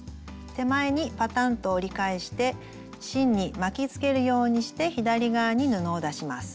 手前にパタンと折り返して芯に巻きつけるようにして左側に布を出します。